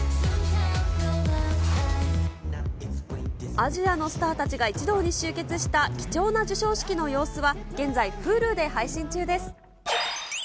アジアのスターたちが一堂に集結した貴重な授賞式の様子は、現在、Ｈｕｌｕで配信中です。